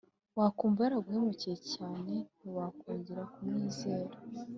Wakumva yaraguhemukiye cyane ntiwakongera kumwizera